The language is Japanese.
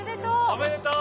おめでとう！